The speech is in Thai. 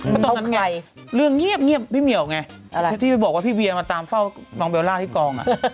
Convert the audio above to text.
เพราะตอนนั้นเนี่ยเรื่องเงียบพี่เหมียวไงพี่บอกว่าพี่เบียนมาตามเฝ้าน้องเบลล่าที่กอง